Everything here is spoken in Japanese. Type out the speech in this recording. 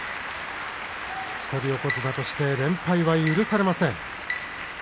一人横綱として連敗は許されません。